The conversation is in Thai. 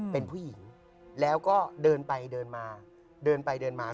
เป็นผู้หญิงแล้วก็เดินไปเดินมาเดินไปเดินมา